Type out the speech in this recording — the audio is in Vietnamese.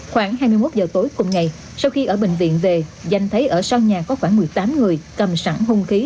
khoảng hai mươi một giờ tối cùng ngày sau khi ở bệnh viện về danh thấy ở sau nhà có khoảng một mươi tám người cầm sẵn hung khí